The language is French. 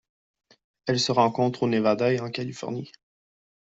Elle se rencontre au Nevada et en Californie.